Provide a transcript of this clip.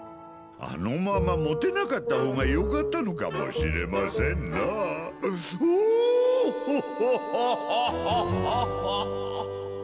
あのままもてなかったほうがよかったのかもしれませんなぁ。